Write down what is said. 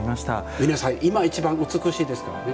皆さん、今がいちばん美しいですからね。